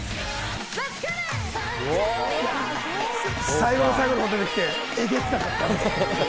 最後の最後のほうに出てきて、えげつなかった。